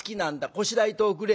こしらえておくれ」。